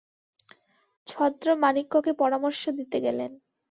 ছদ্রমাণিক্যকে পরামর্শ দিতে গেলেন।